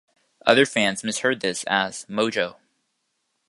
Other fans misheard this as "Mojo".